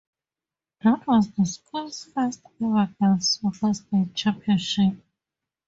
That was the school's first ever girls' soccer State Championship.